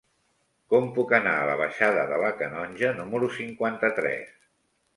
Com puc anar a la baixada de la Canonja número cinquanta-tres?